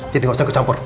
jadi nggak usah kecampur